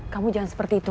kamu jangan seperti itu